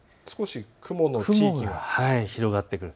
雲が広がってくる。